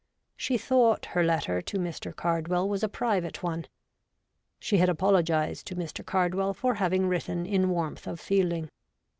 She thought her letter to Mr. Cardwell was a private one. She had apologised to Mr. Cardwell for having written in warmth of feeling.